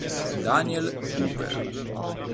Daniel Huber